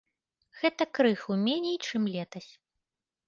Гэта крыху меней, чым летась.